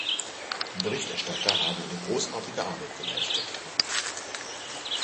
Die Berichterstatter haben eine großartige Arbeit geleistet.